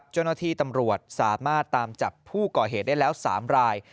เจ้าหน้าที่ตำรวจสามารถตามจับผู้ก่อเหตุได้แล้ว๓ราย